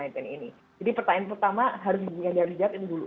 jadi pertanyaan pertama harus dijawab dulu